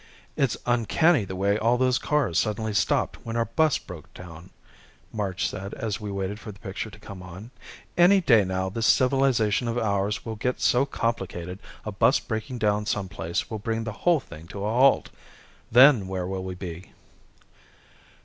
"It's uncanny the way all those cars suddenly stopped when our bus broke down," Marge said as we waited for the picture to come on. "Any day now this civilization of ours will get so complicated a bus breaking down someplace will bring the whole thing to a halt. Then where will we be?"